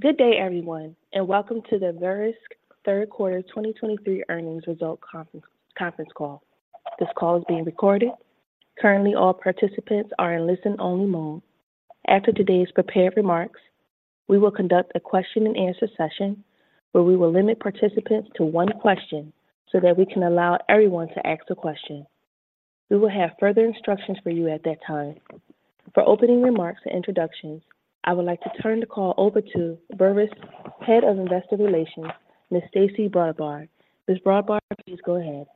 Good day, everyone, and welcome to the Verisk Third Quarter 2023 Earnings Result Conference, Conference Call. This call is being recorded. Currently, all participants are in listen-only mode. After today's prepared remarks, we will conduct a question-and-answer session, where we will limit participants to one question so that we can allow everyone to ask a question. We will have further instructions for you at that time. For opening remarks and introductions, I would like to turn the call over to Verisk's Head of Investor Relations, Ms. Stacey Brodbar. Ms. Brodbar, please go ahead.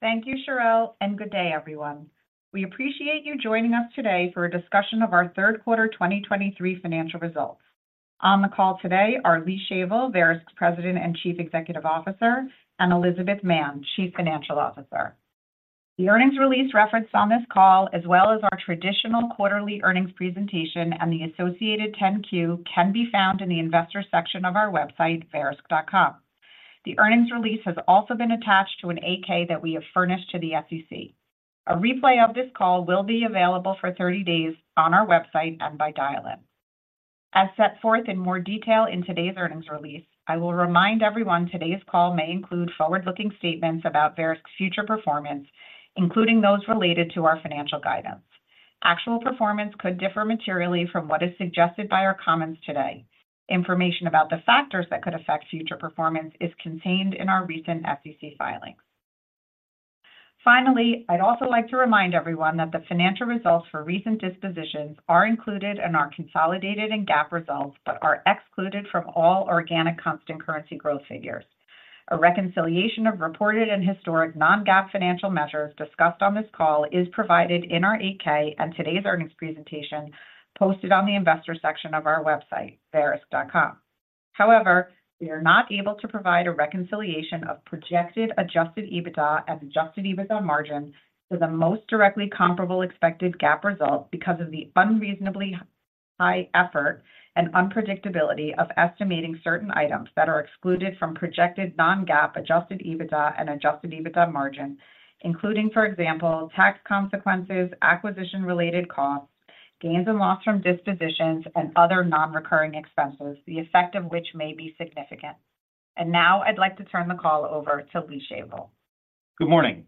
Thank you, Cherelle, and good day, everyone. We appreciate you joining us today for a discussion of our Third Quarter 2023 Financial Results. On the call today are Lee Shavel, Verisk's President and Chief Executive Officer, and Elizabeth Mann, Chief Financial Officer. The earnings release referenced on this call, as well as our traditional quarterly earnings presentation and the associated 10-Q, can be found in the investor section of our website, verisk.com. The earnings release has also been attached to an 8-K that we have furnished to the SEC. A replay of this call will be available for 30 days on our website and by dial-in. As set forth in more detail in today's earnings release, I will remind everyone, today's call may include forward-looking statements about Verisk's future performance, including those related to our financial guidance. Actual performance could differ materially from what is suggested by our comments today. Information about the factors that could affect future performance is contained in our recent SEC filings. Finally, I'd also like to remind everyone that the financial results for recent dispositions are included in our consolidated and GAAP results, but are excluded from all organic constant currency growth figures. A reconciliation of reported and historic non-GAAP financial measures discussed on this call is provided in our 8-K and today's earnings presentation, posted on the investor section of our website, verisk.com. However, we are not able to provide a reconciliation of projected Adjusted EBITDA and Adjusted EBITDA margin to the most directly comparable expected GAAP result because of the unreasonably high effort and unpredictability of estimating certain items that are excluded from projected non-GAAP Adjusted EBITDA and Adjusted EBITDA margin, including, for example, tax consequences, acquisition-related costs, gains and losses from dispositions, and other non-recurring expenses, the effect of which may be significant. And now I'd like to turn the call over to Lee Shavel. Good morning,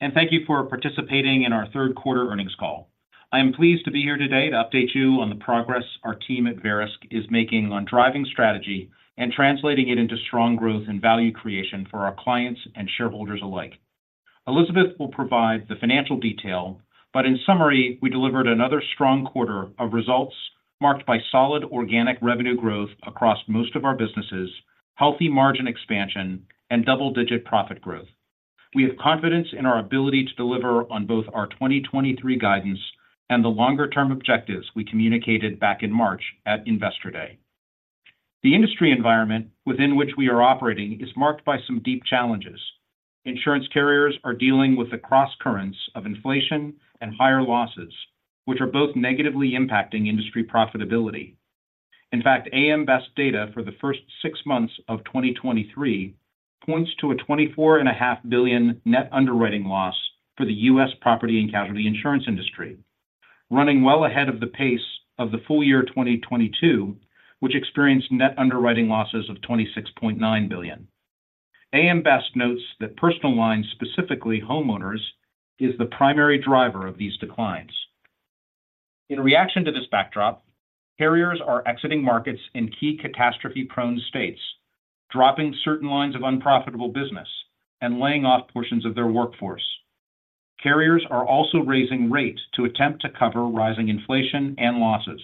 and thank you for participating in our Third Quarter Earnings Call. I am pleased to be here today to update you on the progress our team at Verisk is making on driving strategy and translating it into strong growth and value creation for our clients and shareholders alike. Elizabeth will provide the financial detail, but in summary, we delivered another strong quarter of results marked by solid organic revenue growth across most of our businesses, healthy margin expansion, and double-digit profit growth. We have confidence in our ability to deliver on both our 2023 guidance and the longer-term objectives we communicated back in March at Investor Day. The industry environment within which we are operating is marked by some deep challenges. Insurance carriers are dealing with the crosscurrents of inflation and higher losses, which are both negatively impacting industry profitability. In fact, AM Best data for the first six months of 2023 points to a $24.5 billion net underwriting loss for the U.S. property and casualty insurance industry, running well ahead of the pace of the full year 2022, which experienced net underwriting losses of $26.9 billion. AM Best notes that personal lines, specifically homeowners, is the primary driver of these declines. In reaction to this backdrop, carriers are exiting markets in key catastrophe-prone states, dropping certain lines of unprofitable business and laying off portions of their workforce. Carriers are also raising rates to attempt to cover rising inflation and losses,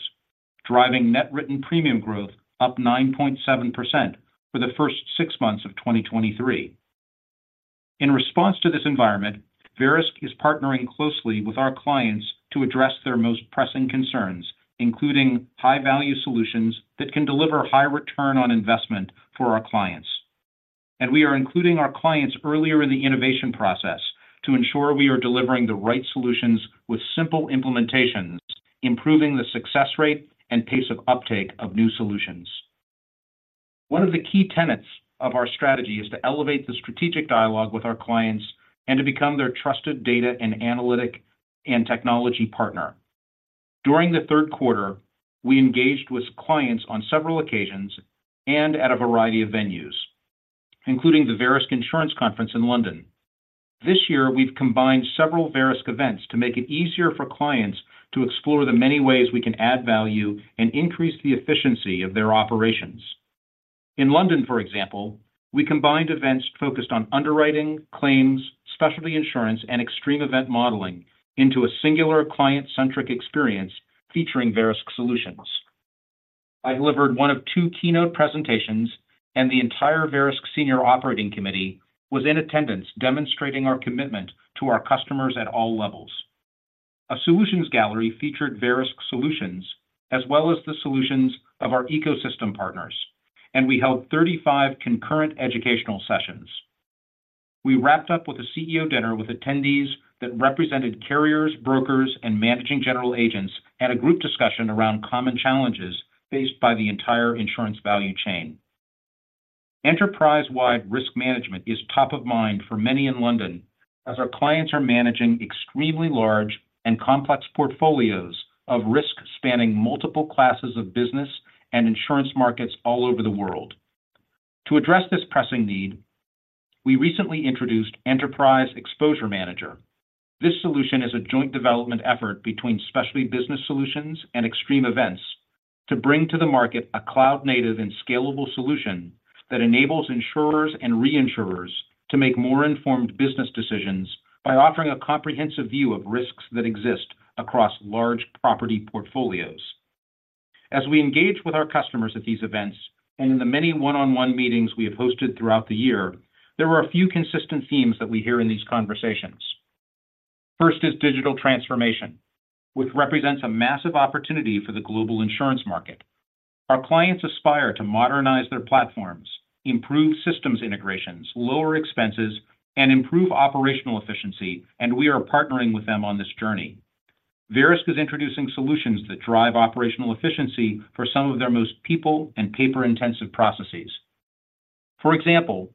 driving net written premium growth up 9.7% for the first six months of 2023. In response to this environment, Verisk is partnering closely with our clients to address their most pressing concerns, including high-value solutions that can deliver high return on investment for our clients. We are including our clients earlier in the innovation process to ensure we are delivering the right solutions with simple implementations, improving the success rate and pace of uptake of new solutions. One of the key tenets of our strategy is to elevate the strategic dialogue with our clients and to become their trusted data and analytic and technology partner. During the third quarter, we engaged with clients on several occasions and at a variety of venues, including the Verisk Insurance Conference in London. This year, we've combined several Verisk events to make it easier for clients to explore the many ways we can add value and increase the efficiency of their operations. In London, for example, we combined events focused on underwriting, claims, specialty insurance, and extreme event modeling into a singular client-centric experience featuring Verisk solutions. I delivered one of two keynote presentations, and the entire Verisk Senior Operating Committee was in attendance, demonstrating our commitment to our customers at all levels. A solutions gallery featured Verisk solutions as well as the solutions of our ecosystem partners, and we held 35 concurrent educational sessions. We wrapped up with a CEO dinner with attendees that represented carriers, brokers, and managing general agents at a group discussion around common challenges faced by the entire insurance value chain.... Enterprise-wide risk management is top of mind for many in London, as our clients are managing extremely large and complex portfolios of risk spanning multiple classes of business and insurance markets all over the world. To address this pressing need, we recently introduced Enterprise Exposure Manager. This solution is a joint development effort between Specialty Business Solutions and Extreme Events to bring to the market a cloud-native and scalable solution that enables insurers and reinsurers to make more informed business decisions by offering a comprehensive view of risks that exist across large property portfolios. As we engage with our customers at these events, and in the many one-on-one meetings we have hosted throughout the year, there are a few consistent themes that we hear in these conversations. First is digital transformation, which represents a massive opportunity for the global insurance market. Our clients aspire to modernize their platforms, improve systems integrations, lower expenses, and improve operational efficiency, and we are partnering with them on this journey. Verisk is introducing solutions that drive operational efficiency for some of their most people and paper-intensive processes. For example,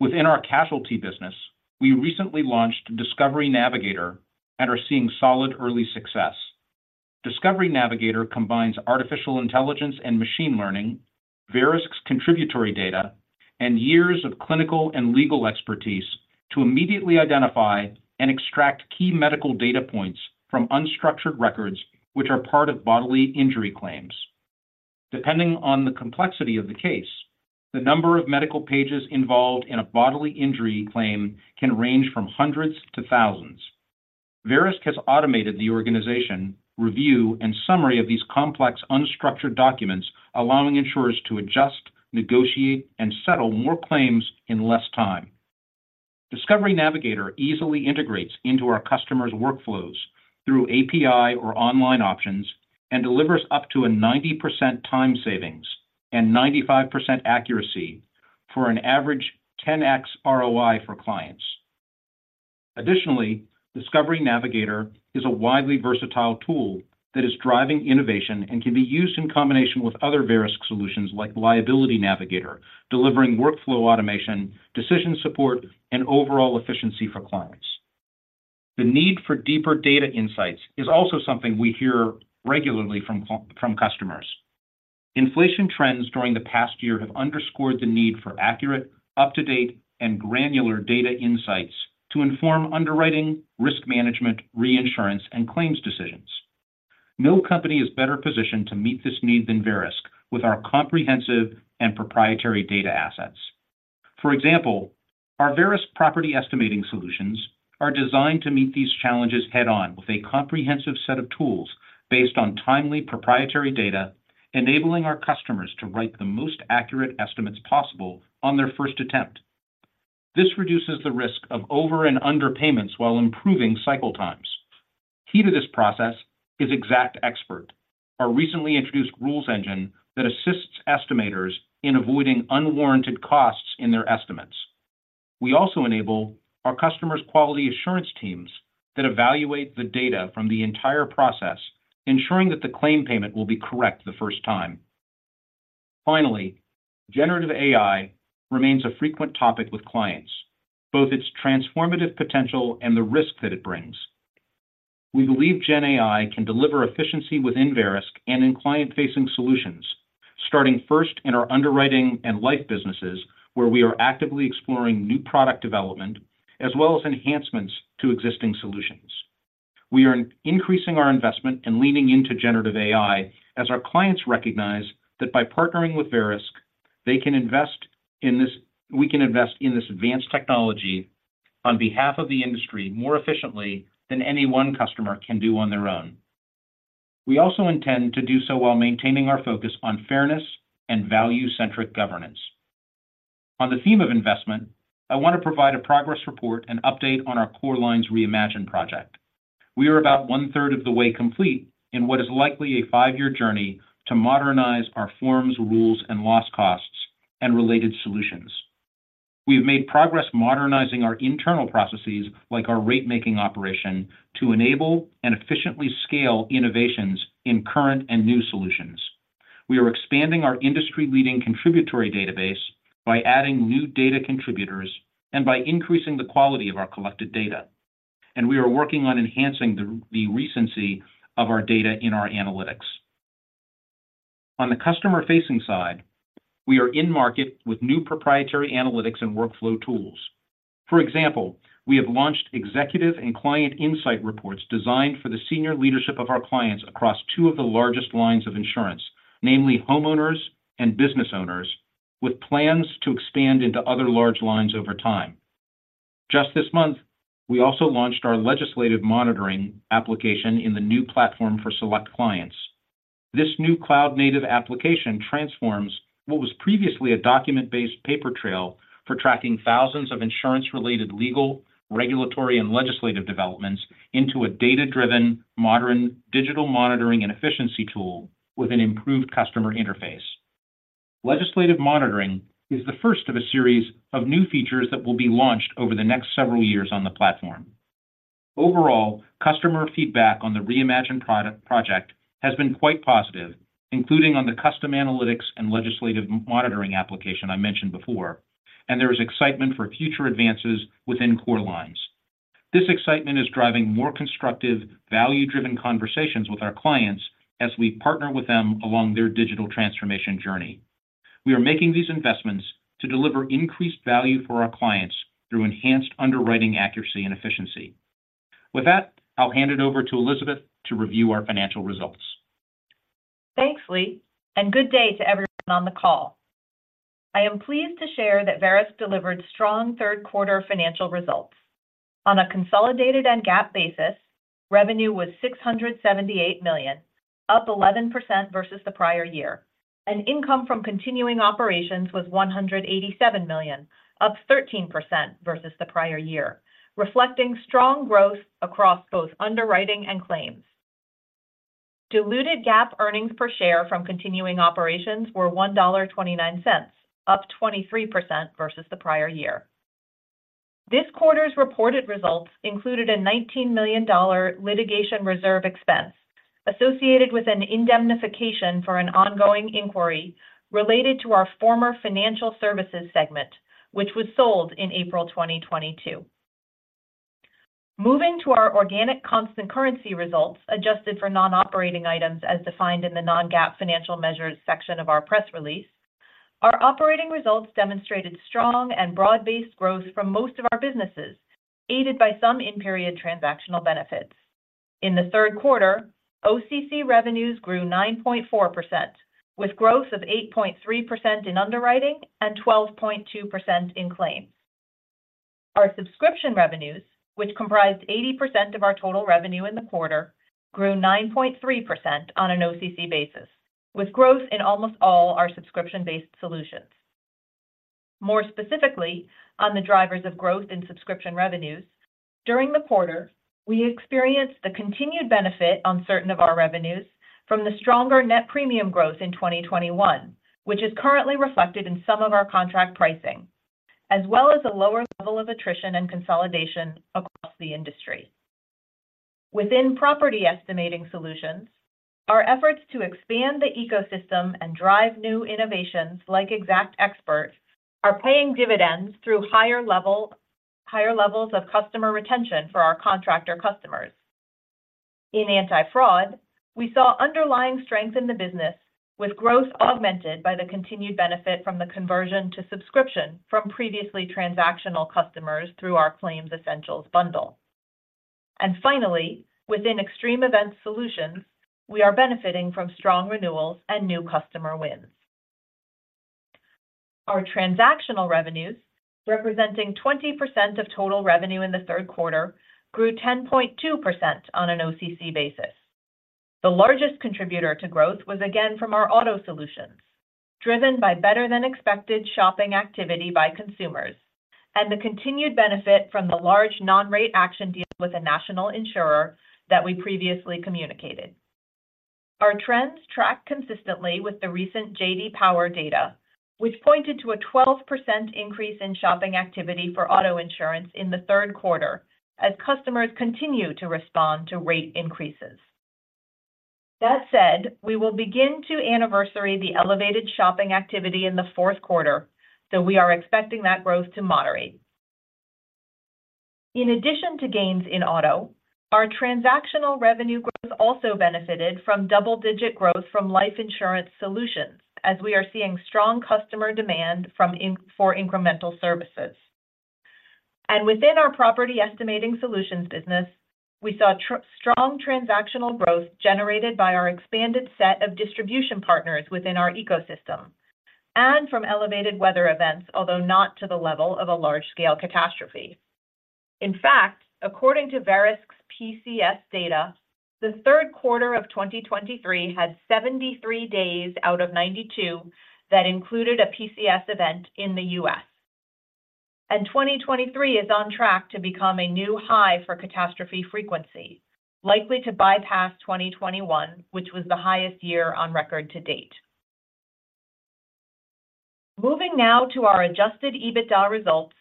within our casualty business, we recently launched Discovery Navigator and are seeing solid early success. Discovery Navigator combines artificial intelligence and machine learning, Verisk's contributory data, and years of clinical and legal expertise to immediately identify and extract key medical data points from unstructured records, which are part of bodily injury claims. Depending on the complexity of the case, the number of medical pages involved in a bodily injury claim can range from hundreds to thousands. Verisk has automated the organization, review, and summary of these complex, unstructured documents, allowing insurers to adjust, negotiate, and settle more claims in less time. Discovery Navigator easily integrates into our customers' workflows through API or online options and delivers up to a 90% time savings and 95% accuracy for an average 10x ROI for clients. Additionally, Discovery Navigator is a widely versatile tool that is driving innovation and can be used in combination with other Verisk solutions like Liability Navigator, delivering workflow automation, decision support, and overall efficiency for clients. The need for deeper data insights is also something we hear regularly from customers. Inflation trends during the past year have underscored the need for accurate, up-to-date, and granular data insights to inform underwriting, risk management, reinsurance, and claims decisions. No company is better positioned to meet this need than Verisk with our comprehensive and proprietary data assets. For example, our Verisk Property Estimating Solutions are designed to meet these challenges head-on with a comprehensive set of tools based on timely proprietary data, enabling our customers to write the most accurate estimates possible on their first attempt. This reduces the risk of over and underpayments while improving cycle times. Key to this process is XactXpert, our recently introduced rules engine that assists estimators in avoiding unwarranted costs in their estimates. We also enable our customers' quality assurance teams that evaluate the data from the entire process, ensuring that the claim payment will be correct the first time. Finally, generative AI remains a frequent topic with clients, both its transformative potential and the risk that it brings. We believe Gen AI can deliver efficiency within Verisk and in client-facing solutions, starting first in our underwriting and life businesses, where we are actively exploring new product development, as well as enhancements to existing solutions. We are increasing our investment and leaning into generative AI as our clients recognize that by partnering with Verisk, they can invest in this, we can invest in this advanced technology on behalf of the industry more efficiently than any one customer can do on their own. We also intend to do so while maintaining our focus on fairness and value-centric governance. On the theme of investment, I want to provide a progress report and update on our Core Lines Reimagine project. We are about one-third of the way complete in what is likely a five-year journey to modernize our forms, rules, and loss costs and related solutions. We have made progress modernizing our internal processes, like our rate-making operation, to enable and efficiently scale innovations in current and new solutions. We are expanding our industry-leading contributory database by adding new data contributors and by increasing the quality of our collected data, and we are working on enhancing the recency of our data in our analytics. On the customer-facing side, we are in market with new proprietary analytics and workflow tools. For example, we have launched Executive and Client Insight reports designed for the senior leadership of our clients across 2 of the largest lines of insurance, namely homeowners and business owners, with plans to expand into other large lines over time. Just this month, we also launched our Legislative Monitoring application in the new platform for select clients. This new cloud-native application transforms what was previously a document-based paper trail for tracking thousands of insurance-related legal, regulatory, and legislative developments into a data-driven, modern digital monitoring and efficiency tool with an improved customer interface. Legislative Monitoring is the first of a series of new features that will be launched over the next several years on the platform. Overall, customer feedback on the reimagined product project has been quite positive, including on the custom analytics and Legislative Monitoring application I mentioned before, and there is excitement for future advances within Core Lines. This excitement is driving more constructive, value-driven conversations with our clients as we partner with them along their digital transformation journey. We are making these investments to deliver increased value for our clients through enhanced underwriting accuracy and efficiency. With that, I'll hand it over to Elizabeth to review our financial results. Thanks, Lee, and good day to everyone on the call. I am pleased to share that Verisk delivered strong third quarter financial results. On a consolidated and GAAP basis, revenue was $678 million, up 11% versus the prior year. Income from continuing operations was $187 million, up 13% versus the prior year, reflecting strong growth across both underwriting and claims. Diluted GAAP earnings per share from continuing operations were $1.29, up 23% versus the prior year. This quarter's reported results included a $19 million litigation reserve expense associated with an indemnification for an ongoing inquiry related to our former financial services segment, which was sold in April 2022. Moving to our organic constant currency results, adjusted for non-operating items, as defined in the non-GAAP financial measures section of our press release, our operating results demonstrated strong and broad-based growth from most of our businesses, aided by some in-period transactional benefits. In the third quarter, OCC revenues grew 9.4%, with growth of 8.3% in underwriting and 12.2% in claims. Our subscription revenues, which comprised 80% of our total revenue in the quarter, grew 9.3% on an OCC basis, with growth in almost all our subscription-based solutions. More specifically, on the drivers of growth in subscription revenues, during the quarter, we experienced the continued benefit on certain of our revenues from the stronger net premium growth in 2021, which is currently reflected in some of our contract pricing, as well as a lower level of attrition and consolidation across the industry. Within Property Estimating Solutions, our efforts to expand the ecosystem and drive new innovations like XactXpert are paying dividends through higher levels of customer retention for our contractor customers. In Anti-Fraud, we saw underlying strength in the business, with growth augmented by the continued benefit from the conversion to subscription from previously transactional customers through our Claims Essentials bundle. And finally, within Extreme Event Solutions, we are benefiting from strong renewals and new customer wins. Our transactional revenues, representing 20% of total revenue in the third quarter, grew 10.2% on an OCC basis. The largest contributor to growth was again from our Auto Solutions, driven by better-than-expected shopping activity by consumers and the continued benefit from the large non-rate action deal with a national insurer that we previously communicated. Our trends track consistently with the recent J.D. Power data, which pointed to a 12% increase in shopping activity for auto insurance in the third quarter as customers continue to respond to rate increases. That said, we will begin to anniversary the elevated shopping activity in the fourth quarter, so we are expecting that growth to moderate. In addition to gains in auto, our transactional revenue growth also benefited from double-digit growth from Life Insurance Solutions, as we are seeing strong customer demand for incremental services. And within our Property Estimating Solutions business, we saw strong transactional growth generated by our expanded set of distribution partners within our ecosystem and from elevated weather events, although not to the level of a large-scale catastrophe. In fact, according to Verisk's PCS data, the third quarter of 2023 had 73 days out of 92 that included a PCS event in the U.S. And 2023 is on track to become a new high for catastrophe frequency, likely to bypass 2021, which was the highest year on record to date. Moving now to our adjusted EBITDA results,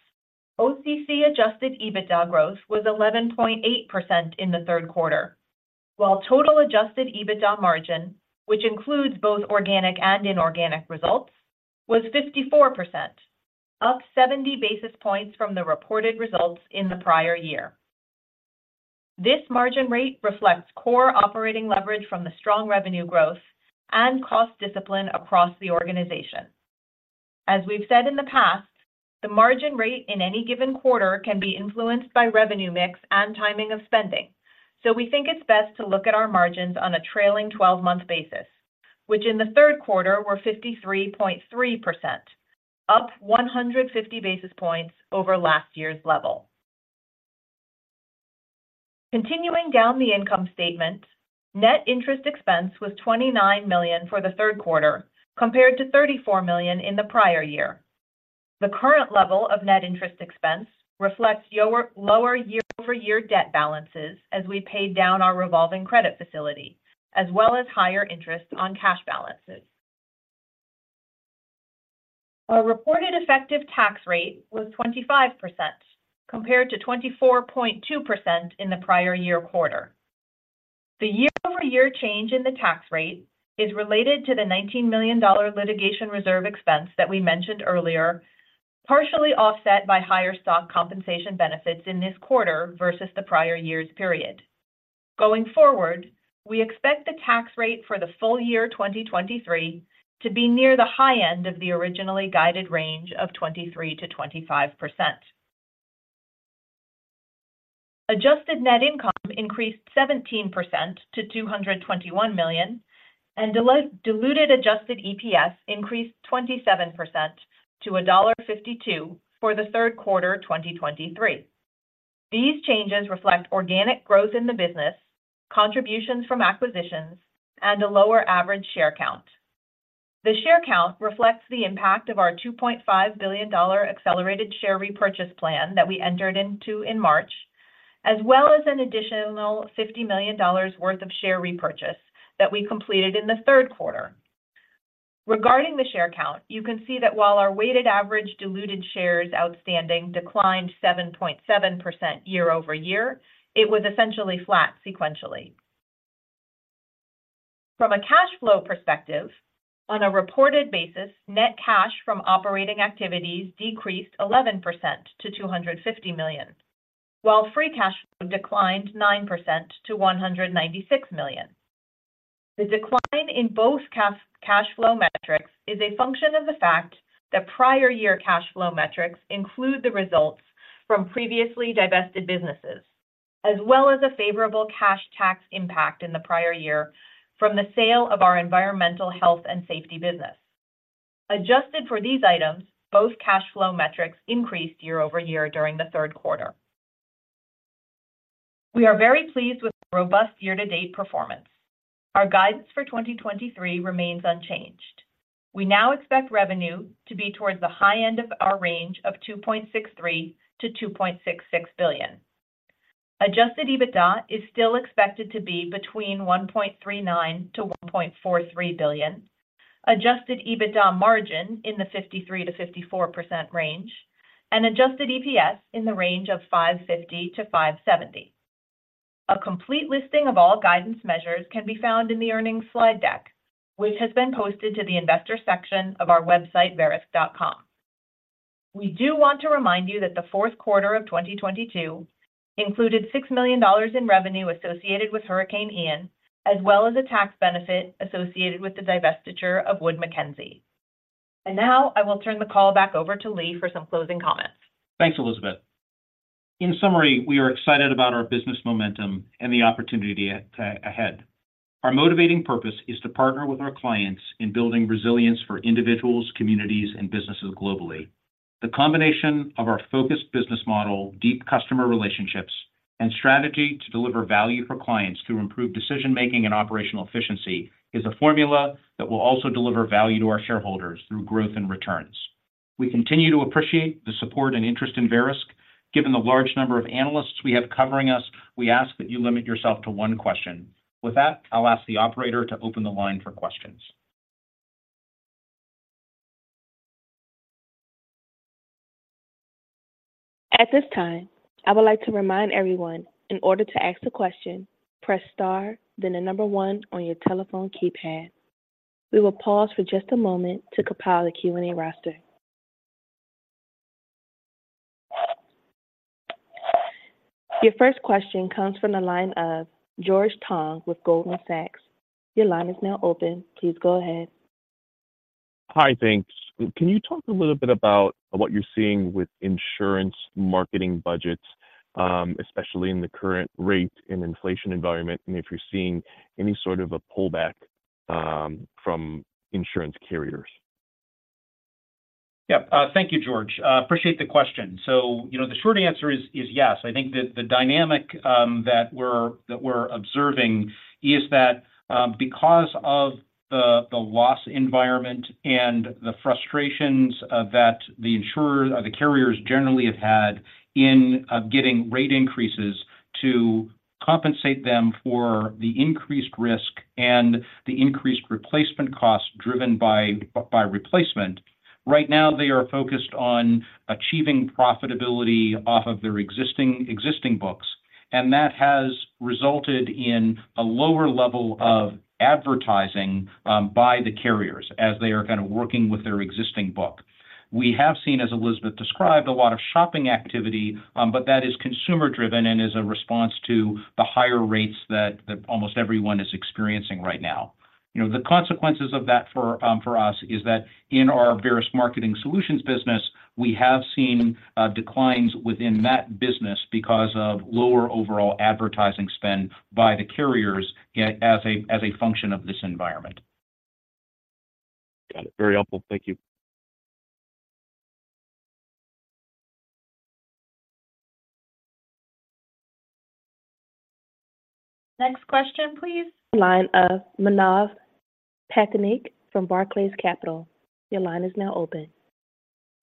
OCC adjusted EBITDA growth was 11.8% in the third quarter, while total adjusted EBITDA margin, which includes both organic and inorganic results, was 54%, up 70 basis points from the reported results in the prior year. This margin rate reflects core operating leverage from the strong revenue growth and cost discipline across the organization. As we've said in the past, the margin rate in any given quarter can be influenced by revenue mix and timing of spending. So we think it's best to look at our margins on a trailing twelve-month basis, which in the third quarter were 53.3%, up 150 basis points over last year's level. Continuing down the income statement, net interest expense was $29 million for the third quarter, compared to $34 million in the prior year. The current level of net interest expense reflects lower year-over-year debt balances as we paid down our revolving credit facility, as well as higher interest on cash balances. Our reported effective tax rate was 25%, compared to 24.2% in the prior year quarter. The year-over-year change in the tax rate is related to the $19 million litigation reserve expense that we mentioned earlier, partially offset by higher stock compensation benefits in this quarter versus the prior year's period. Going forward, we expect the tax rate for the full year 2023 to be near the high end of the originally guided range of 23%-25%. Adjusted net income increased 17% to $221 million, and diluted adjusted EPS increased 27% to $1.52 for the third quarter 2023. These changes reflect organic growth in the business, contributions from acquisitions, and a lower average share count. The share count reflects the impact of our $2.5 billion accelerated share repurchase plan that we entered into in March, as well as an additional $50 million worth of share repurchase that we completed in the third quarter. Regarding the share count, you can see that while our weighted average diluted shares outstanding declined 7.7% year-over-year, it was essentially flat sequentially. From a cash flow perspective, on a reported basis, net cash from operating activities decreased 11% to $250 million, while free cash flow declined 9% to $196 million. The decline in both cash flow metrics is a function of the fact that prior year cash flow metrics include the results from previously divested businesses, as well as a favorable cash tax impact in the prior year from the sale of our environmental, health, and safety business. Adjusted for these items, both cash flow metrics increased year-over-year during the third quarter. We are very pleased with the robust year-to-date performance. Our guidance for 2023 remains unchanged. We now expect revenue to be towards the high end of our range of $2.63 billion-$2.66 billion. Adjusted EBITDA is still expected to be between $1.39 billion-$1.43 billion. Adjusted EBITDA margin in the 53%-54% range and adjusted EPS in the range of $5.50-$5.70. A complete listing of all guidance measures can be found in the earnings slide deck, which has been posted to the investor section of our website, verisk.com. We do want to remind you that the fourth quarter of 2022 included $6 million in revenue associated with Hurricane Ian, as well as a tax benefit associated with the divestiture of Wood Mackenzie. And now, I will turn the call back over to Lee for some closing comments. Thanks, Elizabeth. In summary, we are excited about our business momentum and the opportunity ahead. Our motivating purpose is to partner with our clients in building resilience for individuals, communities, and businesses globally. The combination of our focused business model, deep customer relationships, and strategy to deliver value for clients through improved decision-making and operational efficiency is a formula that will also deliver value to our shareholders through growth and returns. We continue to appreciate the support and interest in Verisk. Given the large number of analysts we have covering us, we ask that you limit yourself to one question. With that, I'll ask the operator to open the line for questions. At this time, I would like to remind everyone, in order to ask a question, press star, then the number one on your telephone keypad. We will pause for just a moment to compile the Q&A roster. Your first question comes from the line of George Tong with Goldman Sachs. Your line is now open. Please go ahead. Hi, thanks. Can you talk a little bit about what you're seeing with insurance marketing budgets, especially in the current rate and inflation environment, and if you're seeing any sort of a pullback, from insurance carriers? Yeah. Thank you, George. Appreciate the question. So, you know, the short answer is, is yes. I think that the dynamic that we're, that we're observing is that, because of the loss environment and the frustrations of that, the insurer or the carriers generally have had in getting rate increases to compensate them for the increased risk and the increased replacement costs driven by, by replacement. Right now, they are focused on achieving profitability off of their existing, existing books, and that has resulted in a lower level of advertising by the carriers as they are kind of working with their existing book. We have seen, as Elizabeth described, a lot of shopping activity, but that is consumer-driven and is a response to the higher rates that, that almost everyone is experiencing right now. You know, the consequences of that for us is that in our Verisk Marketing Solutions business, we have seen declines within that business because of lower overall advertising spend by the carriers as a function of this environment. Got it. Very helpful. Thank you. Next question, please. Line of Manav Patnaik from Barclays Capital. Your line is now open. ...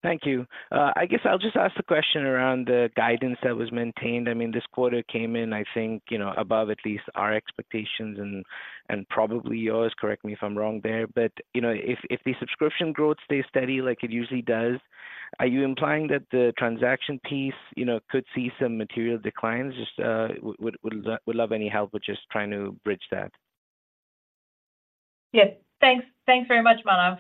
Thank you. I guess I'll just ask the question around the guidance that was maintained. I mean, this quarter came in, I think, you know, above at least our expectations and probably yours, correct me if I'm wrong there. But, you know, if the subscription growth stays steady like it usually does, are you implying that the transaction piece, you know, could see some material declines? Just, would love any help with just trying to bridge that. Yes. Thanks. Thanks very much, Manav.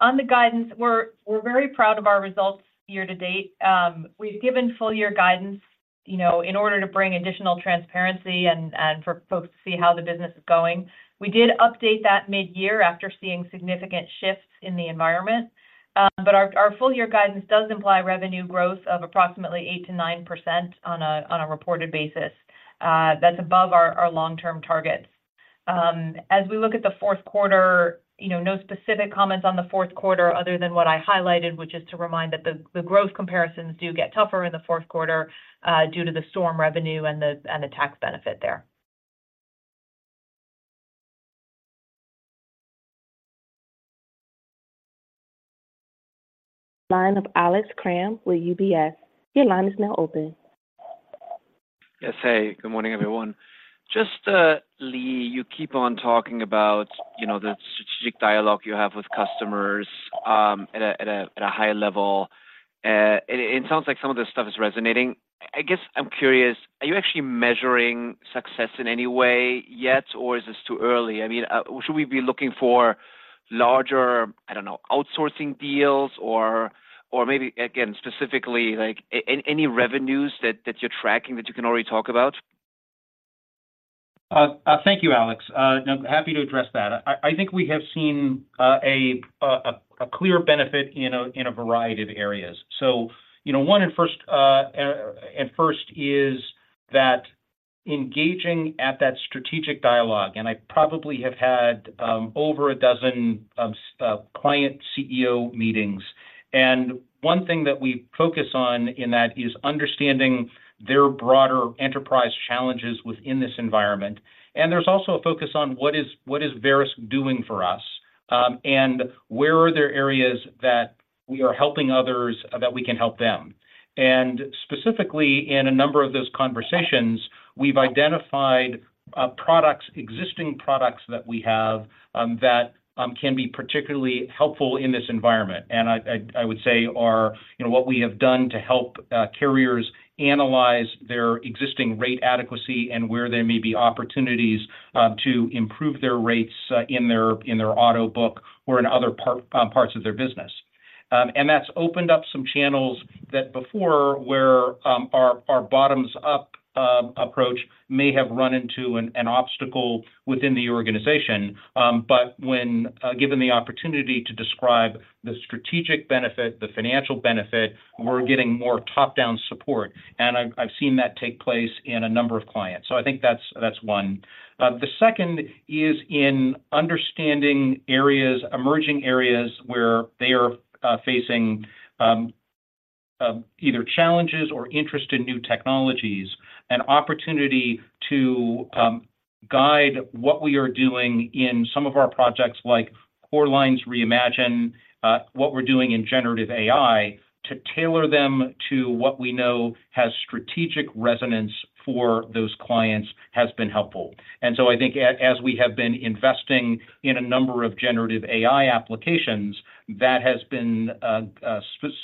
On the guidance, we're very proud of our results year to date. We've given full year guidance, you know, in order to bring additional transparency and for folks to see how the business is going. We did update that mid-year after seeing significant shifts in the environment. But our full year guidance does imply revenue growth of approximately 8%-9% on a reported basis. That's above our long-term targets. As we look at the fourth quarter, you know, no specific comments on the fourth quarter other than what I highlighted, which is to remind that the growth comparisons do get tougher in the fourth quarter, due to the storm revenue and the tax benefit there. Line of Alex Kramm with UBS. Your line is now open. Yes. Hey, good morning, everyone. Just, Lee, you keep on talking about, you know, the strategic dialogue you have with customers, at a high level. It sounds like some of this stuff is resonating. I guess I'm curious, are you actually measuring success in any way yet, or is this too early? I mean, should we be looking for larger, I don't know, outsourcing deals or, or maybe again, specifically, like any revenues that, that you're tracking that you can already talk about? Thank you, Alex. Happy to address that. I think we have seen a clear benefit in a variety of areas. So, you know, one and first is that engaging at that strategic dialogue, and I probably have had over 12 client CEO meetings, and one thing that we focus on in that is understanding their broader enterprise challenges within this environment. And there's also a focus on what is Verisk doing for us, and where are there areas that we are helping others that we can help them? And specifically, in a number of those conversations, we've identified products, existing products that we have that can be particularly helpful in this environment. I would say our, you know, what we have done to help carriers analyze their existing rate adequacy and where there may be opportunities to improve their rates in their auto book or in other parts of their business. And that's opened up some channels that before where our bottoms-up approach may have run into an obstacle within the organization. But when given the opportunity to describe the strategic benefit, the financial benefit, we're getting more top-down support, and I've seen that take place in a number of clients. So I think that's one. The second is in understanding emerging areas where they are facing either challenges or interest in new technologies. An opportunity to guide what we are doing in some of our projects, like Core Lines Reimagine, what we're doing in Generative AI, to tailor them to what we know has strategic resonance for those clients, has been helpful. And so I think as we have been investing in a number of Generative AI applications, that has been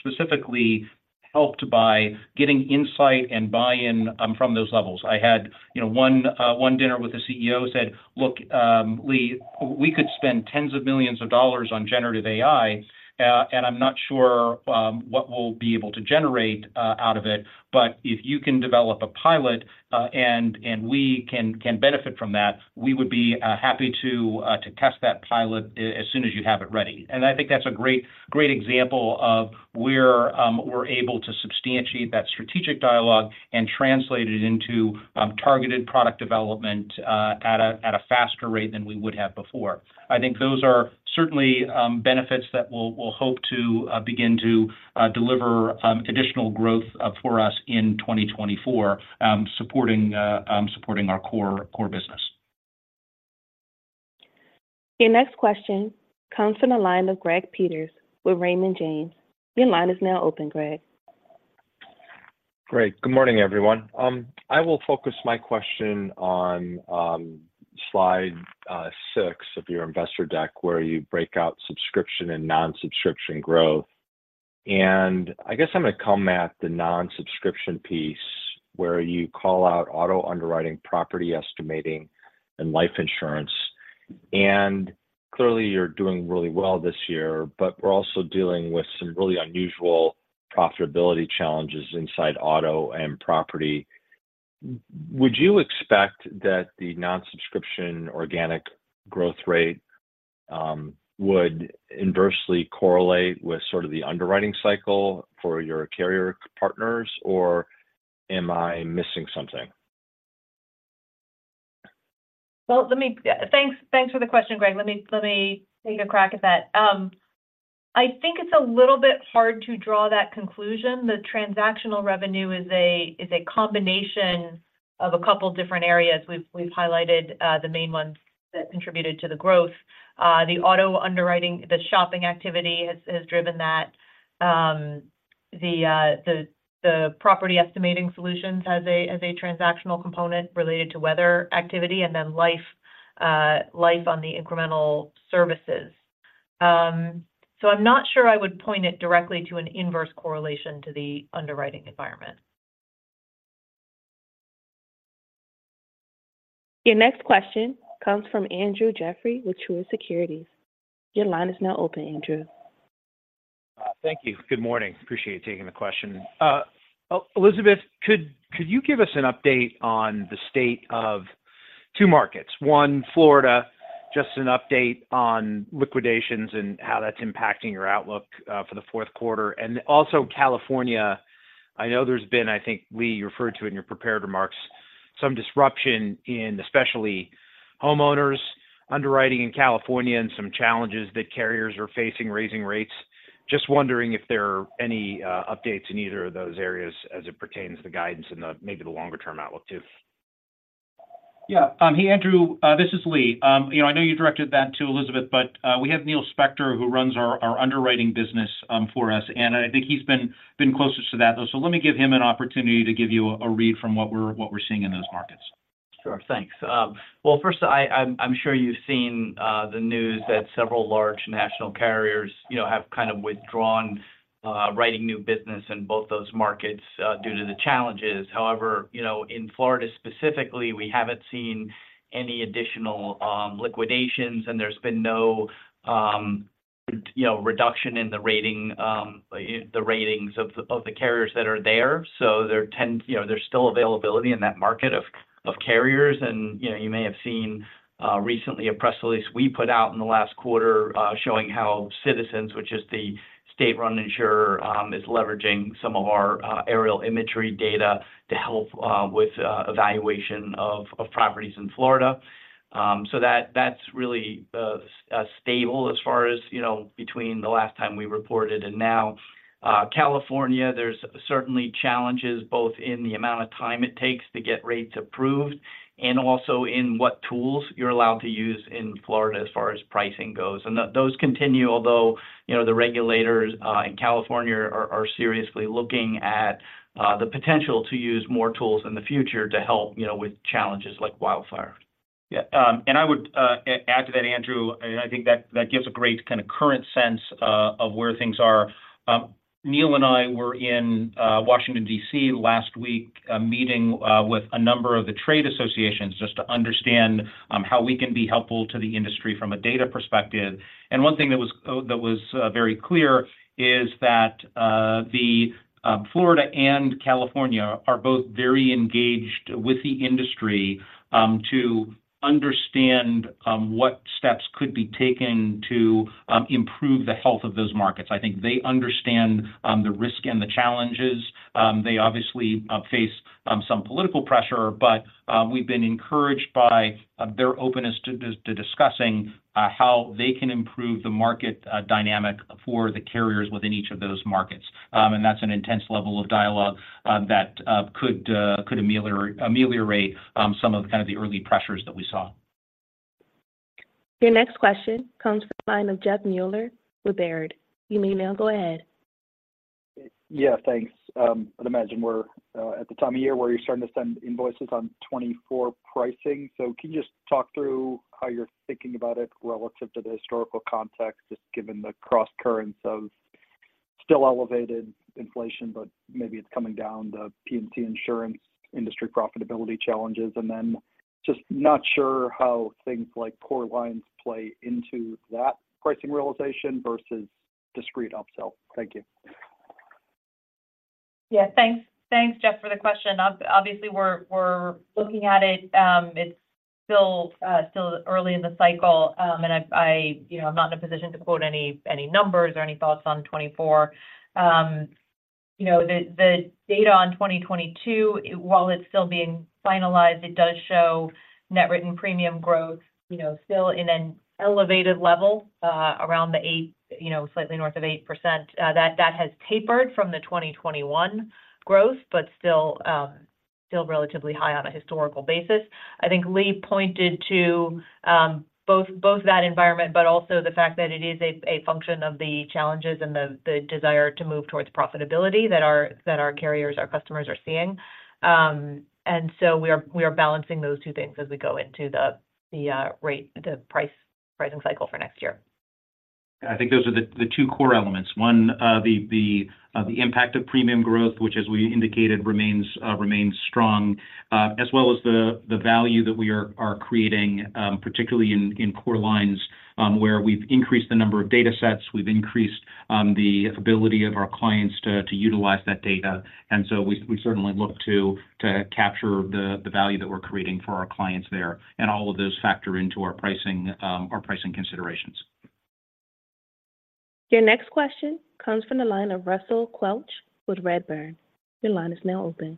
specifically helped by getting insight and buy-in from those levels. I had, you know, one dinner with a CEO, said, "Look, Lee, we could spend $ tens of millions on Generative AI, and I'm not sure what we'll be able to generate out of it. But if you can develop a pilot, and we can benefit from that, we would be happy to test that pilot as soon as you have it ready." And I think that's a great example of where we're able to substantiate that strategic dialogue and translate it into targeted product development at a faster rate than we would have before. I think those are certainly benefits that we'll hope to begin to deliver additional growth for us in 2024, supporting our core business. Your next question comes from the line of Greg Peters with Raymond James. Your line is now open, Greg. Great. Good morning, everyone. I will focus my question on slide 6 of your investor deck, where you break out subscription and non-subscription growth. And I guess I'm going to come at the non-subscription piece, where you call out auto underwriting, property estimating, and life insurance. And clearly, you're doing really well this year, but we're also dealing with some really unusual profitability challenges inside auto and property. Would you expect that the non-subscription organic growth rate would inversely correlate with sort of the underwriting cycle for your carrier partners, or am I missing something? Well, let me... Thanks, thanks for the question, Greg. Let me take a crack at that. I think it's a little bit hard to draw that conclusion. The transactional revenue is a combination of a couple different areas. We've highlighted the main ones that contributed to the growth. The auto underwriting, the shopping activity has driven that. The Property Estimating Solutions as a transactional component related to weather activity and then life on the incremental services. So I'm not sure I would point it directly to an inverse correlation to the underwriting environment. Your next question comes from Andrew Jeffrey with Truist Securities. Your line is now open, Andrew. Thank you. Good morning. Appreciate you taking the question. Oh, Elizabeth, could you give us an update on the state of two markets? One, Florida, just an update on liquidations and how that's impacting your outlook for the fourth quarter, and also California. I know there's been, I think Lee, you referred to it in your prepared remarks, some disruption in especially homeowners underwriting in California and some challenges that carriers are facing, raising rates. Just wondering if there are any updates in either of those areas as it pertains to guidance and the maybe the longer-term outlook, too. Yeah, hey, Andrew, this is Lee. You know, I know you directed that to Elizabeth, but we have Neil Spector, who runs our underwriting business for us, and I think he's been closest to that. So let me give him an opportunity to give you a read from what we're seeing in those markets. Sure. Thanks. Well, first, I'm sure you've seen the news that several large national carriers, you know, have kind of withdrawn writing new business in both those markets due to the challenges. However, you know, in Florida specifically, we haven't seen any additional liquidations, and there's been no, you know, reduction in the rating, the ratings of the carriers that are there. So, you know, there's still availability in that market of carriers and, you know, you may have seen recently a press release we put out in the last quarter showing how Citizens, which is the state-run insurer, is leveraging some of our aerial imagery data to help with evaluation of properties in Florida. So that, that's really stable as far as, you know, between the last time we reported and now. California, there's certainly challenges, both in the amount of time it takes to get rates approved and also in what tools you're allowed to use in Florida as far as pricing goes. And those continue, although, you know, the regulators in California are seriously looking at the potential to use more tools in the future to help, you know, with challenges like wildfires. Yeah, and I would add to that, Andrew, and I think that gives a great kind of current sense of where things are. Neil and I were in Washington, D.C., last week, meeting with a number of the trade associations just to understand how we can be helpful to the industry from a data perspective. And one thing that was very clear is that the Florida and California are both very engaged with the industry to understand what steps could be taken to improve the health of those markets. I think they understand the risk and the challenges. They obviously face some political pressure, but we've been encouraged by their openness to discussing how they can improve the market dynamic for the carriers within each of those markets. And that's an intense level of dialogue that could ameliorate some of kind of the early pressures that we saw. Your next question comes from the line of Jeff Meuler with Baird. You may now go ahead. Yeah, thanks. I'd imagine we're at the time of year where you're starting to send invoices on 2024 pricing. So can you just talk through how you're thinking about it relative to the historical context, just given the crosscurrents of still elevated inflation, but maybe it's coming down, the P&C insurance industry profitability challenges? And then just not sure how things like core lines play into that pricing realization versus discrete upsell. Thank you. Yeah, thanks. Thanks, Jeff, for the question. Obviously, we're looking at it. It's still early in the cycle. And I've, you know, I'm not in a position to quote any numbers or any thoughts on 2024. You know, the data on 2022, while it's still being finalized, it does show net written premium growth, you know, still in an elevated level, around the 8, you know, slightly north of 8%. That has tapered from the 2021 growth, but still relatively high on a historical basis. I think Lee pointed to both that environment, but also the fact that it is a function of the challenges and the desire to move towards profitability that our carriers, our customers are seeing. And so we are balancing those two things as we go into the pricing cycle for next year. I think those are the two core elements. One, the impact of premium growth, which, as we indicated, remains strong, as well as the value that we are creating, particularly in P&C lines, where we've increased the number of datasets, we've increased the ability of our clients to utilize that data. And so we certainly look to capture the value that we're creating for our clients there, and all of those factor into our pricing, our pricing considerations. Your next question comes from the line of Russell Quelch with Redburn. Your line is now open. ...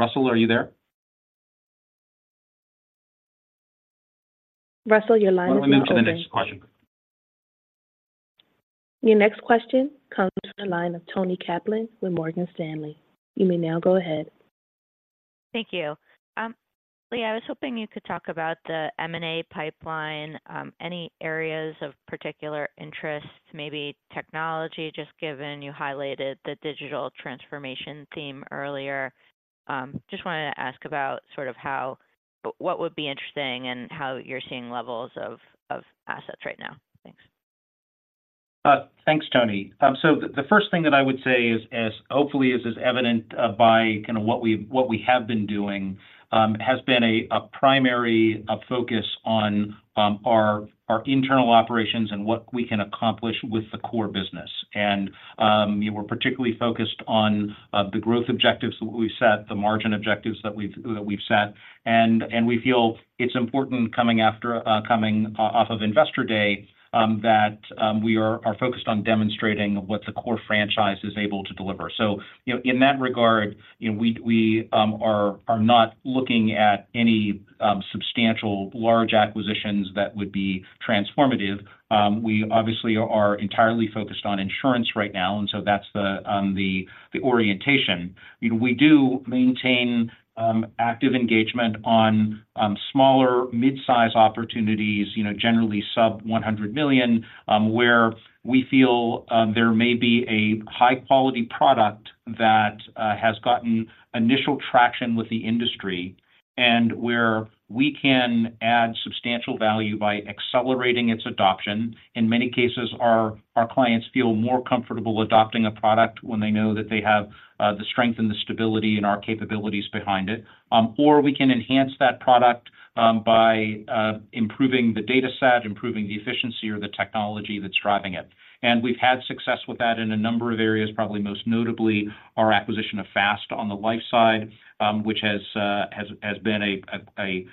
Russell, are you there? Russell, your line is now open. Why don't we move to the next question? Your next question comes from the line of Toni Kaplan with Morgan Stanley. You may now go ahead. Thank you. Lee, I was hoping you could talk about the M&A pipeline, any areas of particular interest, maybe technology, just given you highlighted the digital transformation theme earlier. Just wanted to ask about sort of how—what would be interesting and how you're seeing levels of assets right now. Thanks. Thanks, Toni. So the first thing that I would say is, as hopefully as is evident by kind of what we have been doing, has been a primary focus on our internal operations and what we can accomplish with the core business. We're particularly focused on the growth objectives that we've set, the margin objectives that we've set. We feel it's important coming off of Investor Day that we are focused on demonstrating what the core franchise is able to deliver. So, you know, in that regard, you know, we are not looking at any substantial large acquisitions that would be transformative. We obviously are entirely focused on insurance right now, and so that's the orientation. You know, we do maintain active engagement on smaller, mid-size opportunities, you know, generally sub $100 million, where we feel there may be a high-quality product that has gotten initial traction with the industry, and where we can add substantial value by accelerating its adoption. In many cases, our clients feel more comfortable adopting a product when they know that they have the strength and the stability and our capabilities behind it. Or we can enhance that product by improving the dataset, improving the efficiency or the technology that's driving it. And we've had success with that in a number of areas, probably most notably, our acquisition of FAST on the life side, which has been a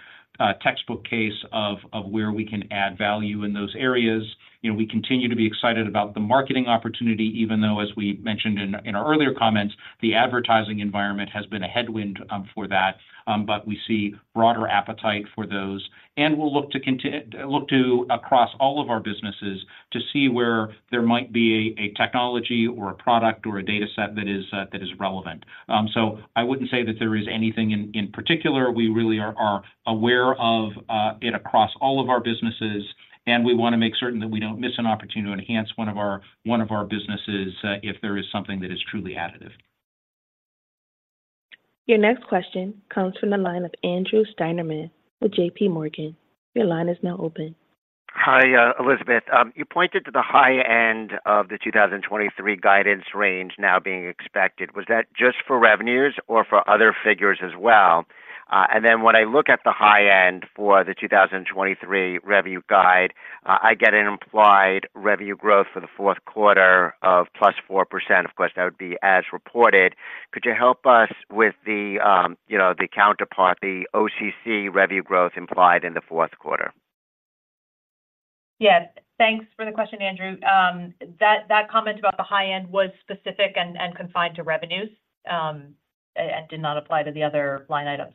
textbook case of where we can add value in those areas. You know, we continue to be excited about the marketing opportunity, even though, as we mentioned in, in our earlier comments, the advertising environment has been a headwind, for that, but we see broader appetite for those. And we'll look to across all of our businesses to see where there might be a technology or a product or a dataset that is, that is relevant. So I wouldn't say that there is anything in particular. We really are aware of it across all of our businesses, and we want to make certain that we don't miss an opportunity to enhance one of our businesses, if there is something that is truly additive. Your next question comes from the line of Andrew Steinerman with JP Morgan. Your line is now open. Hi, Elizabeth. You pointed to the high end of the 2023 guidance range now being expected. Was that just for revenues or for other figures as well? And then when I look at the high end for the 2023 revenue guide, I get an implied revenue growth for the fourth quarter of +4%. Of course, that would be as reported. Could you help us with the, you know, the counterpart, the OCC revenue growth implied in the fourth quarter? Yes. Thanks for the question, Andrew. That comment about the high end was specific and confined to revenues, and did not apply to the other line items.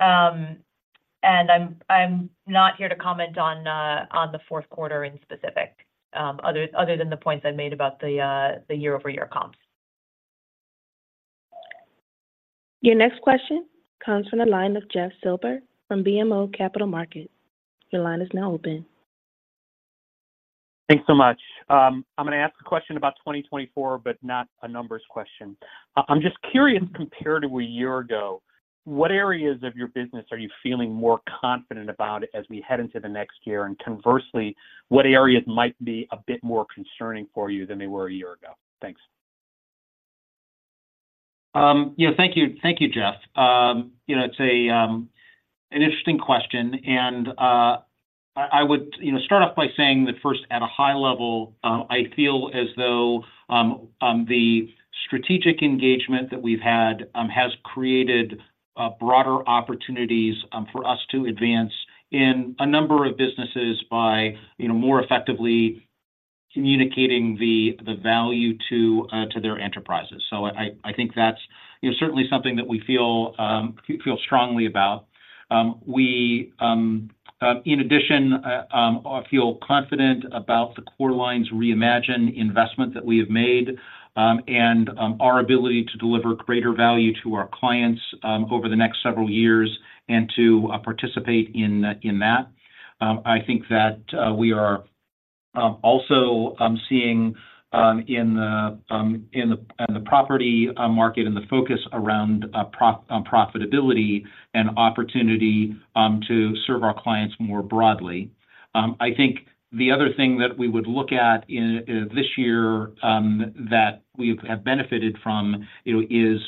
And I'm not here to comment on the fourth quarter in specific, other than the points I've made about the year-over-year comps. Your next question comes from the line of Jeff Silber from BMO Capital Markets. Your line is now open. Thanks so much. I'm going to ask a question about 2024, but not a numbers question. I'm just curious, comparatively year ago, what areas of your business are you feeling more confident about as we head into the next year? And conversely, what areas might be a bit more concerning for you than they were a year ago? Thanks. Yeah, thank you. Thank you, Jeff. You know, it's an interesting question, and I would, you know, start off by saying that first, at a high level, I feel as though the strategic engagement that we've had has created broader opportunities for us to advance in a number of businesses by, you know, more effectively communicating the value to their enterprises. So I think that's, you know, certainly something that we feel strongly about. We, in addition, feel confident about the Core Lines Reimagine investment that we have made, and our ability to deliver greater value to our clients over the next several years and to participate in that. I think that we are also seeing in the property market and the focus around on profitability and opportunity to serve our clients more broadly. I think the other thing that we would look at in this year that we've have benefited from, you know, is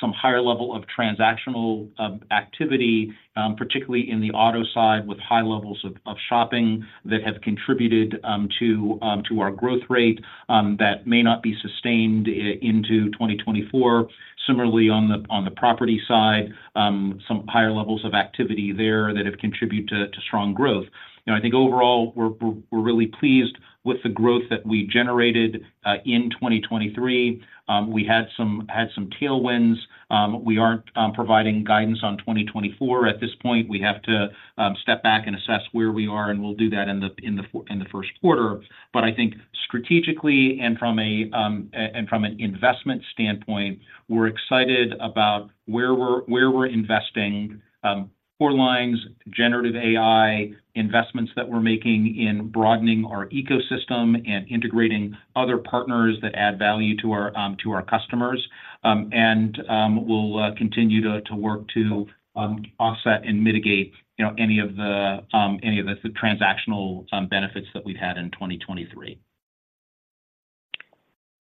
some higher level of transactional activity particularly in the auto side, with high levels of shopping that have contributed to our growth rate that may not be sustained into 2024. Similarly, on the property side, some higher levels of activity there that have contributed to strong growth. You know, I think overall, we're really pleased with the growth that we generated in 2023. We had some tailwinds. We aren't providing guidance on 2024. At this point, we have to step back and assess where we are, and we'll do that in the first quarter. But I think strategically and from an investment standpoint, we're excited about where we're investing, core lines, generative AI, investments that we're making in broadening our ecosystem and integrating other partners that add value to our customers. And we'll continue to work to offset and mitigate, you know, any of the transactional benefits that we've had in 2023.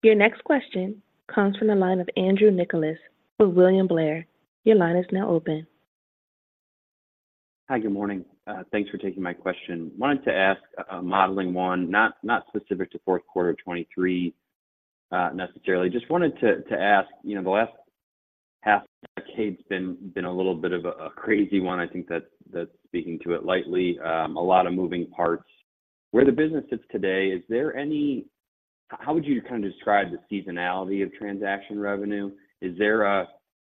Your next question comes from the line of Andrew Nicholas with William Blair. Your line is now open. Hi, good morning. Thanks for taking my question. Wanted to ask a modeling one, not specific to fourth quarter of 2023, necessarily. Just wanted to ask, you know, the last half decade's been a little bit of a crazy one. I think that's speaking to it lightly. A lot of moving parts. Where the business sits today, is there any... How would you kind of describe the seasonality of transaction revenue? Is there a,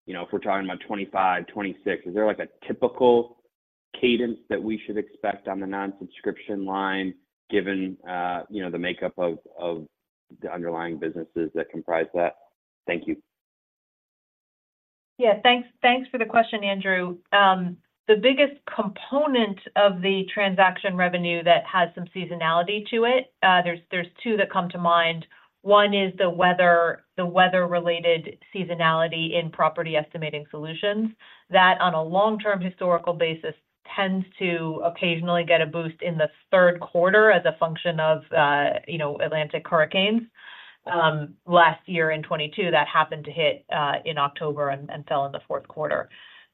you know, if we're talking about 2025, 2026, is there like a typical cadence that we should expect on the non-subscription line, given, you know, the makeup of the underlying businesses that comprise that? Thank you. Yeah, thanks, thanks for the question, Andrew. The biggest component of the transaction revenue that has some seasonality to it, there's two that come to mind. One is the weather, the weather-related seasonality in Property Estimating Solutions, that on a long-term historical basis, tends to occasionally get a boost in the third quarter as a function of, you know, Atlantic hurricanes. Last year in 2022, that happened to hit in October and fell in the fourth quarter.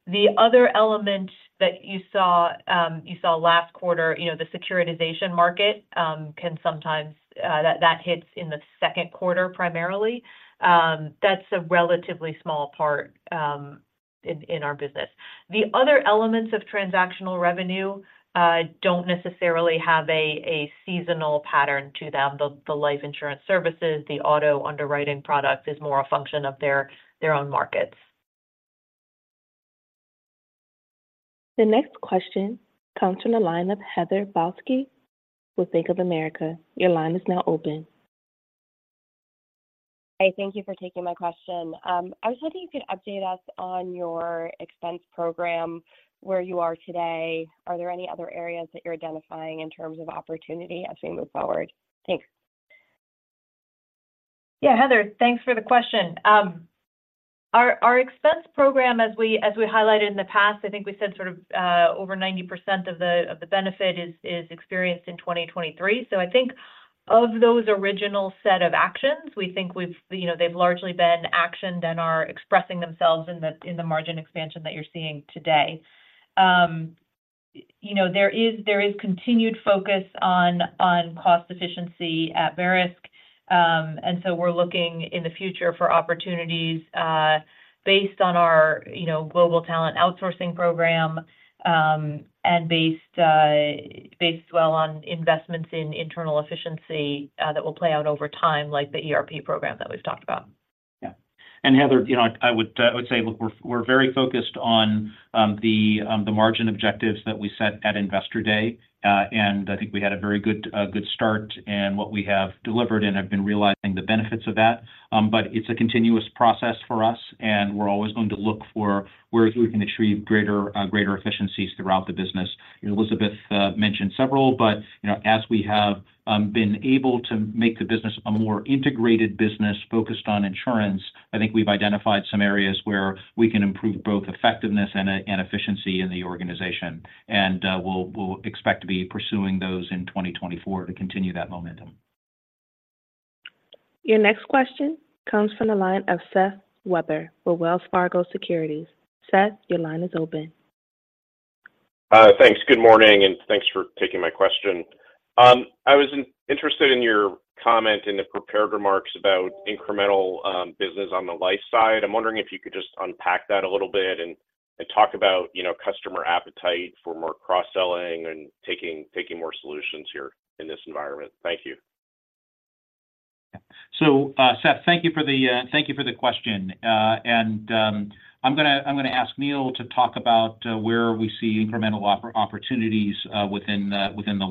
The other element that you saw, you saw last quarter, you know, the securitization market, can sometimes, that hits in the second quarter primarily. That's a relatively small part in our business. The other elements of transactional revenue don't necessarily have a seasonal pattern to them. The life insurance services, the auto underwriting product is more a function of their own markets. The next question comes from the line of Heather Balsky with Bank of America. Your line is now open. Hi, thank you for taking my question. I was wondering if you could update us on your expense program, where you are today. Are there any other areas that you're identifying in terms of opportunity as we move forward? Thanks. Yeah, Heather, thanks for the question. Our expense program, as we highlighted in the past, I think we said sort of over 90% of the benefit is experienced in 2023. So I think of those original set of actions, we think we've... You know, they've largely been actioned and are expressing themselves in the margin expansion that you're seeing today. You know, there is continued focus on cost efficiency at Verisk, and so we're looking in the future for opportunities based on our, you know, global talent outsourcing program, and based well on investments in internal efficiency that will play out over time, like the ERP program that we've talked about. Yeah. And Heather, you know, I would, I would say, look, we're, we're very focused on, the, the margin objectives that we set at Investor Day. And I think we had a very good, good start in what we have delivered and have been realizing the benefits of that. But it's a continuous process for us, and we're always going to look for where we can achieve greater, greater efficiencies throughout the business. Elizabeth, mentioned several, but, you know, as we have, been able to make the business a more integrated business focused on insurance, I think we've identified some areas where we can improve both effectiveness and, and efficiency in the organization. And, we'll, we'll expect to be pursuing those in 2024 to continue that momentum. Your next question comes from the line of Seth Weber with Wells Fargo Securities. Seth, your line is open. Thanks. Good morning, and thanks for taking my question. I was interested in your comment in the prepared remarks about incremental business on the life side. I'm wondering if you could just unpack that a little bit and talk about, you know, customer appetite for more cross-selling and taking more solutions here in this environment. Thank you. So, Seth, thank you for the question. I'm gonna ask Neil to talk about where we see incremental opportunities within the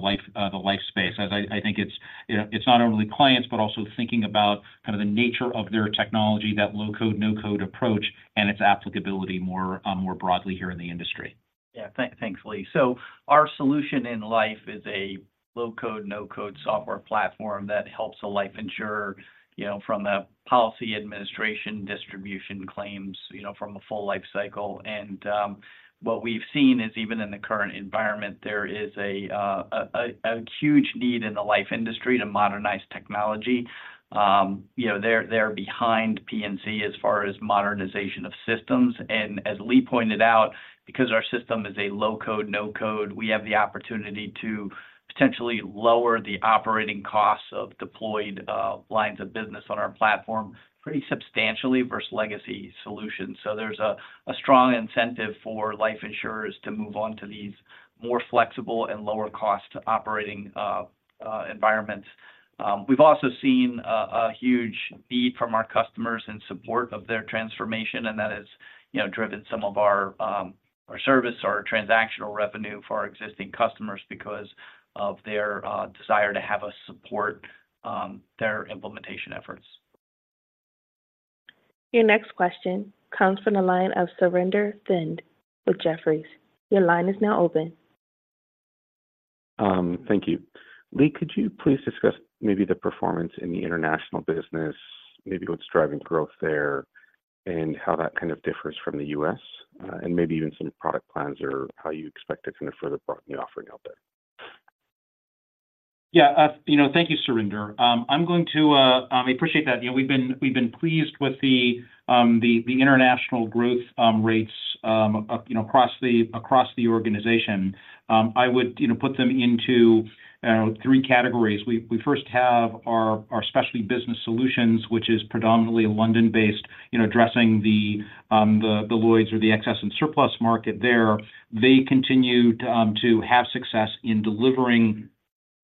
life space. As I think it's, you know, it's not only clients, but also thinking about kind of the nature of their technology, that low-code, no-code approach, and its applicability more broadly here in the industry. Yeah, thanks, Lee. So our solution in life is a low-code, no-code software platform that helps a life insurer, you know, from the policy administration, distribution claims, you know, from a full life cycle. And what we've seen is even in the current environment, there is a huge need in the life industry to modernize technology. You know, they're, they're behind P&C as far as modernization of systems. And as Lee pointed out, because our system is a low-code, no-code, we have the opportunity to potentially lower the operating costs of deployed lines of business on our platform pretty substantially versus legacy solutions. So there's a strong incentive for life insurers to move on to these more flexible and lower cost operating environments. We've also seen a huge need from our customers in support of their transformation, and that has, you know, driven some of our our service, our transactional revenue for our existing customers because of their desire to have us support their implementation efforts. Your next question comes from the line of Surinder Thind with Jefferies. Your line is now open. Thank you. Lee, could you please discuss maybe the performance in the international business, maybe what's driving growth there, and how that kind of differs from the U.S., and maybe even some product plans or how you expect to kind of further broaden the offering out there? Yeah, you know, thank you, Surinder. I appreciate that. You know, we've been pleased with the international growth rates up, you know, across the organization. I would, you know, put them into three categories. We first have our specialty business solutions, which is predominantly a London-based, you know, addressing the Lloyd's or the excess and surplus market there. They continue to have success in delivering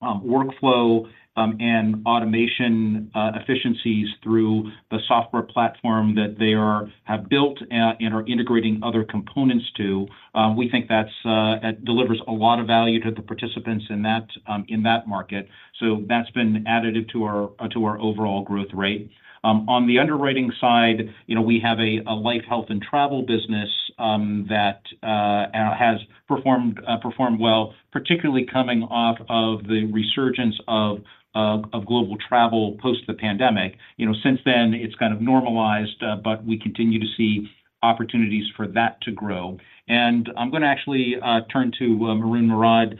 workflow and automation efficiencies through the software platform that they have built and are integrating other components to. We think that delivers a lot of value to the participants in that market, so that's been additive to our overall growth rate. On the underwriting side, you know, we have a life health and travel business that has performed well, particularly coming off of the resurgence of global travel post the pandemic. You know, since then, it's kind of normalized, but we continue to see opportunities for that to grow. And I'm going to actually turn to Maroun Mourad,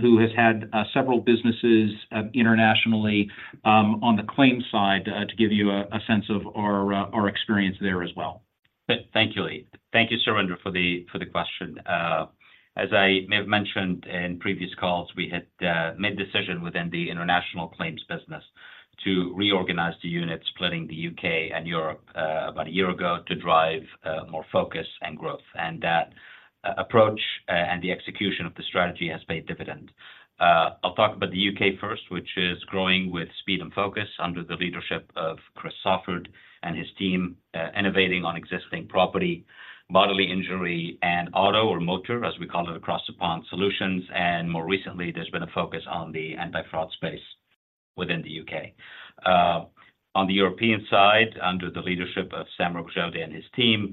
who has had several businesses internationally on the claims side, to give you a sense of our experience there as well. Thank you, Lee. Thank you, Surinder, for the question. As I may have mentioned in previous calls, we had made decision within the international claims business to reorganize the unit, splitting the UK and Europe, about a year ago to drive more focus and growth. And that approach, and the execution of the strategy has paid dividends. I'll talk about the UK first, which is growing with speed and focus under the leadership of Chris Sawford and his team, innovating on existing property, bodily injury, and auto or motor, as we call it, across the pond solutions, and more recently, there's been a focus on the Anti-Fraud space within the UK. On the European side, under the leadership of Sam Rogge and his team,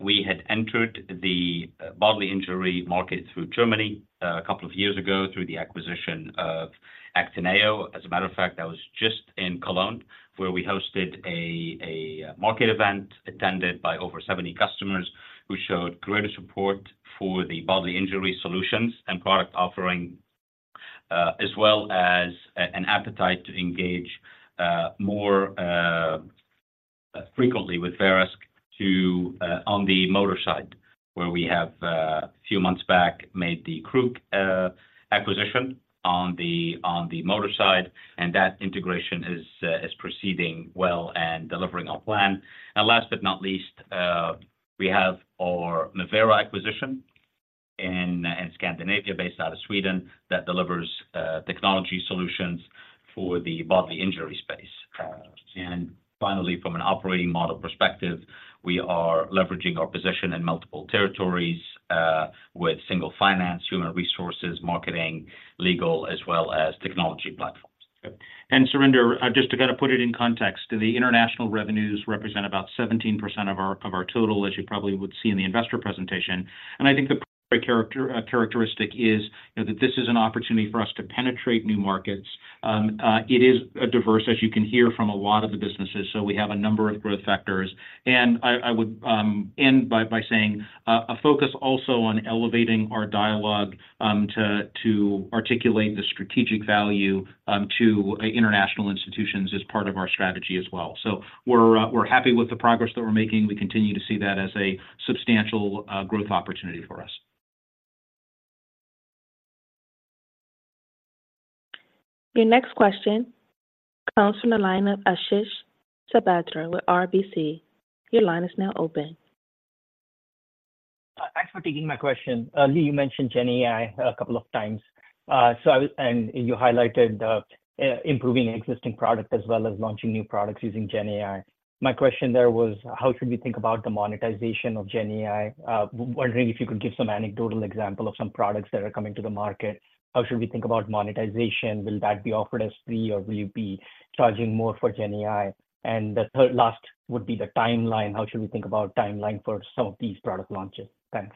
we had entered the bodily injury market through Germany a couple of years ago through the acquisition of Actineo. As a matter of fact, that was just in Cologne, where we hosted a market event attended by over 70 customers, who showed greater support for the bodily injury solutions and product offering, as well as an appetite to engage more frequently with Verisk on the motor side, where we have few months back made the Krug acquisition on the motor side, and that integration is proceeding well and delivering on plan. And last but not least, we have our Mavera acquisition in Scandinavia, based out of Sweden, that delivers technology solutions for the bodily injury space. Finally, from an operating model perspective, we are leveraging our position in multiple territories with single finance, human resources, marketing, legal, as well as technology platforms. And Surinder, just to kind of put it in context, the international revenues represent about 17% of our total, as you probably would see in the investor presentation. And I think the characteristic is that this is an opportunity for us to penetrate new markets. It is diverse, as you can hear from a lot of the businesses, so we have a number of growth factors. And I would end by saying a focus also on elevating our dialogue to articulate the strategic value to international institutions as part of our strategy as well. So we're happy with the progress that we're making. We continue to see that as a substantial growth opportunity for us. Your next question comes from the line of Ashish Sabadra with RBC. Your line is now open. Thanks for taking my question. Lee, you mentioned Gen AI a couple of times. So I was-- and you highlighted improving existing product as well as launching new products using Gen AI. My question there was, how should we think about the monetization of Gen AI? Wondering if you could give some anecdotal example of some products that are coming to the market. How should we think about monetization? Will that be offered as free, or will you be charging more for Gen AI? And the third-- last would be the timeline. How should we think about timeline for some of these product launches? Thanks....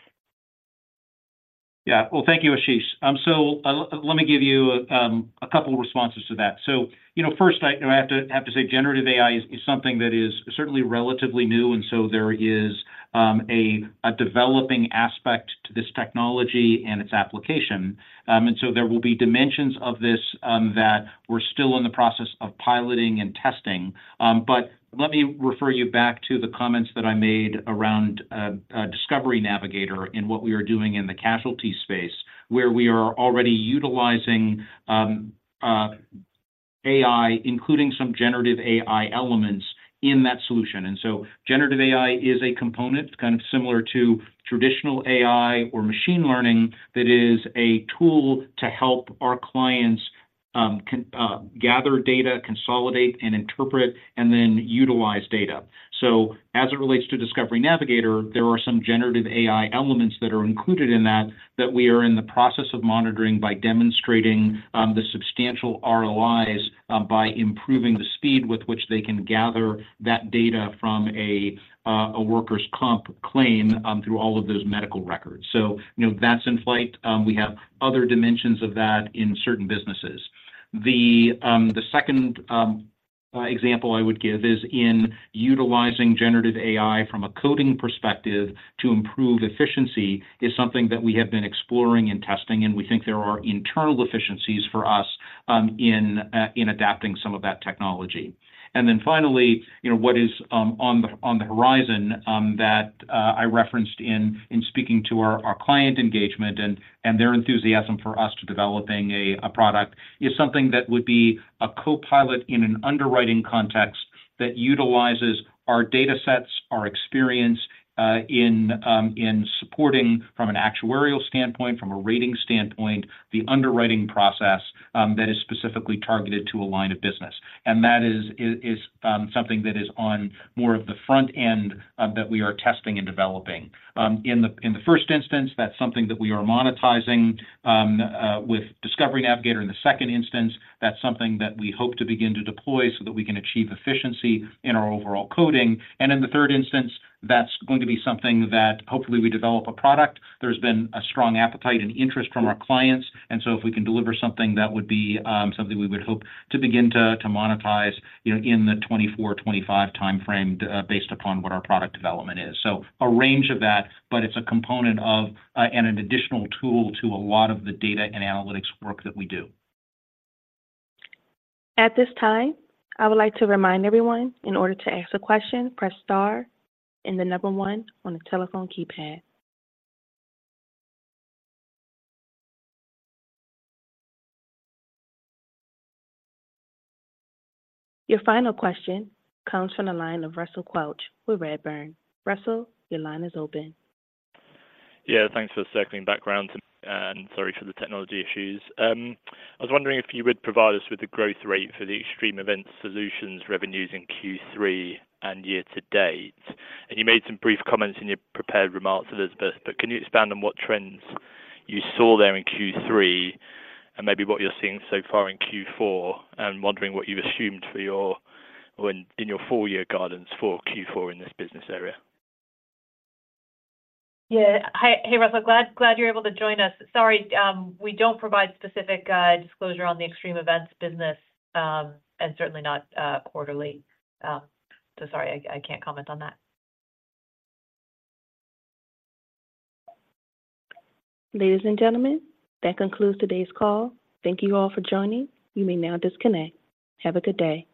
Yeah. Well, thank you, Ashish. So, let me give you a couple responses to that. So, you know, first, I have to say generative AI is something that is certainly relatively new, and so there is a developing aspect to this technology and its application. And so there will be dimensions of this that we're still in the process of piloting and testing. But let me refer you back to the comments that I made around Discovery Navigator and what we are doing in the casualty space, where we are already utilizing AI, including some generative AI elements in that solution. Generative AI is a component, kind of similar to traditional AI or machine learning, that is a tool to help our clients gather data, consolidate, and interpret, and then utilize data. So as it relates to Discovery Navigator, there are some Generative AI elements that are included in that, that we are in the process of monitoring by demonstrating the substantial ROIs by improving the speed with which they can gather that data from a workers' comp claim through all of those medical records. So, you know, that's in flight. We have other dimensions of that in certain businesses. The second example I would give is in utilizing generative AI from a coding perspective to improve efficiency, is something that we have been exploring and testing, and we think there are internal efficiencies for us in adapting some of that technology. Then finally, you know, what is on the horizon that I referenced in speaking to our client engagement and their enthusiasm for us to developing a product, is something that would be a co-pilot in an underwriting context that utilizes our data sets, our experience in supporting from an actuarial standpoint, from a rating standpoint, the underwriting process that is specifically targeted to a line of business. That is something that is on more of the front end that we are testing and developing. In the first instance, that's something that we are monetizing with Discovery Navigator. In the second instance, that's something that we hope to begin to deploy so that we can achieve efficiency in our overall coding. And in the third instance, that's going to be something that hopefully we develop a product. There's been a strong appetite and interest from our clients, and so if we can deliver something, that would be something we would hope to begin to monetize, you know, in the 2024-2025 time frame based upon what our product development is. So a range of that, but it's a component of, and an additional tool to a lot of the data and analytics work that we do. At this time, I would like to remind everyone, in order to ask a question, press star and the number one on the telephone keypad. Your final question comes from the line of Russell Quelch with Redburn. Russell, your line is open. Yeah, thanks for circling back around, and sorry for the technology issues. I was wondering if you would provide us with the growth rate for the Extreme Events Solutions revenues in Q3 and year to date. And you made some brief comments in your prepared remarks, Elizabeth, but can you expand on what trends you saw there in Q3 and maybe what you're seeing so far in Q4? And wondering what you've assumed for your... when-- in your full year guidance for Q4 in this business area? Yeah. Hi. Hey, Russell, glad, glad you're able to join us. Sorry, we don't provide specific disclosure on the Extreme Events business, and certainly not quarterly. So sorry, I can't comment on that. Ladies and gentlemen, that concludes today's call. Thank you all for joining. You may now disconnect. Have a good day.